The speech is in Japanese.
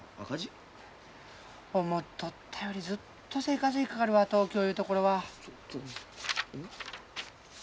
思っとったよりずっと生活費かかるわ東京ゆうところは。